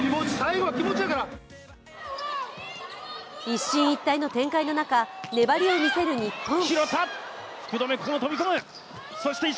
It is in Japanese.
一進一退の展開の中粘りを見せる日本。